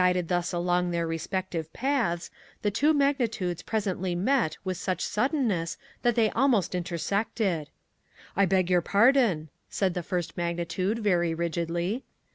Guided thus along their respective paths, the two magnitudes presently met with such suddenness that they almost intersected. "I beg your pardon," said the first magnitude very rigidly.